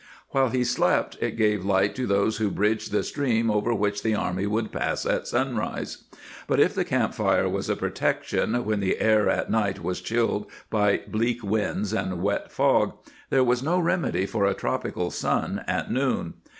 While he slept it gave light to those who bridged the stream over which the army would pass at sunrise.^ But if the camp fire was a protection when the air at night was chilled by bleak winds and wet fog, there was no remedy for a tropical sun at noon.